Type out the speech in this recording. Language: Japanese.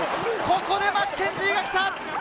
ここでマッケンジーが来た！